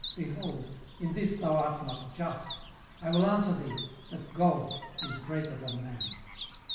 18:033:012 Behold, in this thou art not just: I will answer thee, that God is greater than man.